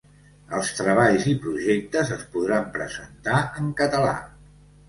Els treballs i projectes es podran presentar en català.